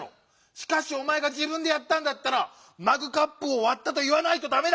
しかしおまえがじぶんでやったんだったら「マグカップをわった」といわないとダメだ！